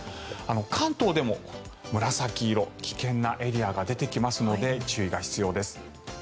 関東でも紫色危険なエリアが出てきますので注意が必要です。